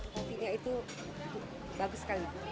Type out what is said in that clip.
kopinya itu bagus sekali